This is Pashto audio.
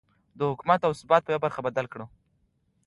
د حکومت او ثبات په يوه برخه بدل کړو.